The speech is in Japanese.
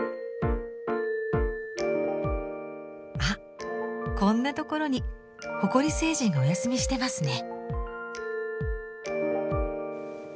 あっこんなところに埃星人がおやすみしてますね！